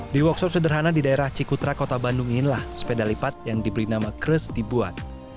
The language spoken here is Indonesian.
di workshop sederhana di daerah cikutra kota bandung inilah sepeda lipat yang diberi nama kres dibuat